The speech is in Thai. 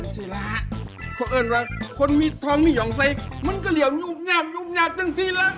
สิล่ะเพราะเอิญว่าคนมีท้องมีหย่องใสมันก็เหลี่ยวอยู่อุบหยาบอยู่อุบหยาบจังสิล่ะ